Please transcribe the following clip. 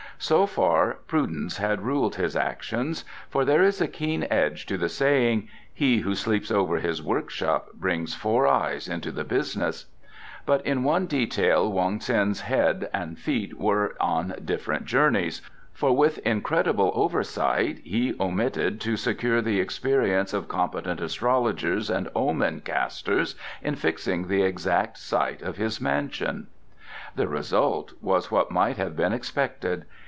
So far prudence had ruled his actions, for there is a keen edge to the saying: "He who sleeps over his workshop brings four eyes into the business," but in one detail Wong Ts'in's head and feet went on different journeys, for with incredible oversight he omitted to secure the experience of competent astrologers and omen casters in fixing the exact site of his mansion. The result was what might have been expected.